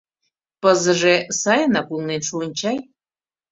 Пызыже сайынак улнен шуын чай.